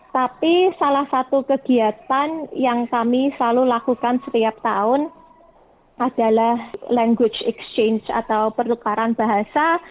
tapi salah satu kegiatan yang kami selalu lakukan setiap tahun adalah language exchange atau pertukaran bahasa